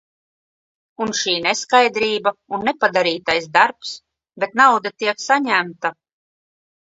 Un šī neskaidrība un nepadarītais darbs, bet nauda tiek saņemta.